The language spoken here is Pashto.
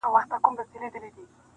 بهرني نظرونه موضوع زياتوي نور-